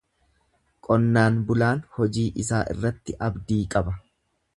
Qonnaan bulaan hojii isaa irratti abdii qaba.